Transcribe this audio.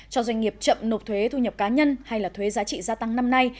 cho doanh nghiệp chậm nộp thuế thu nhập cá nhân hay là thuế giá trị gia tăng năm nay